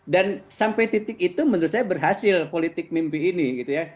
dan sampai titik itu menurut saya berhasil politik mimpi ini gitu ya